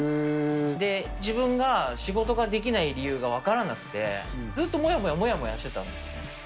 自分が仕事ができない理由が分からなくて、ずっともやもやもやもやしてたんです。